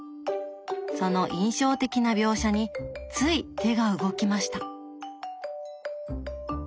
その印象的な描写につい手が動きました。